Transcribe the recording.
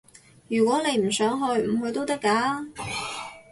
如果你唔想去，唔去都得㗎